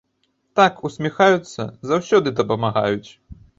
Так усміхаюцца, заўсёды дапамагаюць!